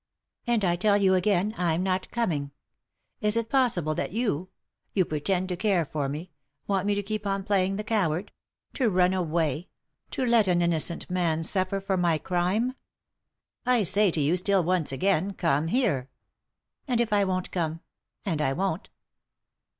"And I tell you again, I'm not coming. Is it possible that you — who pretend to care for me — want me to keep on playing the coward; to run away ; to let an innocent man suffer for my crime ?" "I say to yon, still once again, come here." " And if I won't come ?— and I won't."